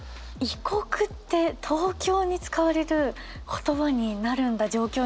「異国」って東京に使われる言葉になるんだ状況によってはっていう。